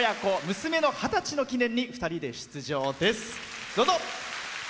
娘の二十歳の記念に２人で出場です。